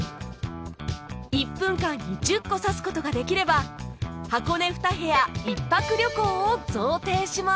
１分間に１０個刺す事ができれば箱根２部屋１泊旅行を贈呈します